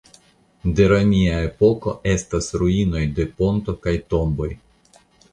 De romia epoko estas ruinoj de ponto kaj tomboj.